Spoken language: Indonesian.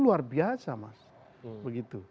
luar biasa mas begitu